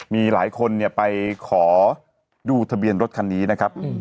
มีหลายคนไปขอดูทะเบียนรถคันนี้นะครับ